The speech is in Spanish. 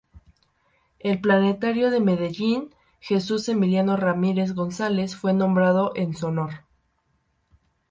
El Planetario de Medellín Jesús Emilio Ramírez González fue nombrado en su honor.